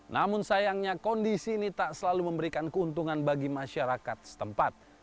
namun sayangnya kondisi ini tak selalu memberikan keuntungan bagi masyarakat setempat